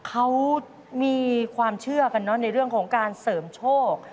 เขามีความเชื่อกันเนอะในเรื่องของการเสริมโชค